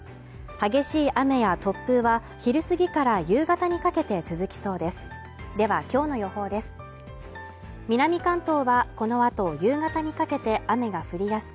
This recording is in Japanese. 激しい雨や突風は昼過ぎから夕方にかけて続きそうですではきょうの予報です